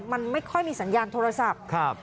มันไม่ค่อยมีสัญญาณโทรศัพท์